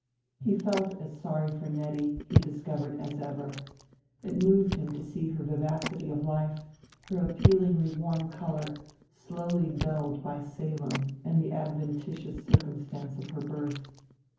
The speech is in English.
He felt as sorry for Nettie, he discovered, as ever. It moved him to see her vivacity of life, her appealingly warm color, slowly dulled by Salem and the adventitious circumstance of her birth.